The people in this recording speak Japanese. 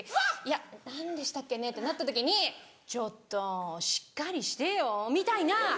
「何でしたっけ」ってなった時に「ちょっとしっかりしてよ」みたいな。